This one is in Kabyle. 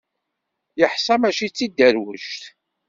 Yeḥṣa mačči d tiderwect.